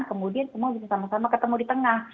kemudian semua bisa sama sama ketemu di tengah